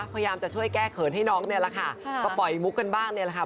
พยายามจะช่วยแก้เขินให้น้องเนี่ยแหละค่ะก็ปล่อยมุกกันบ้างเนี่ยแหละค่ะ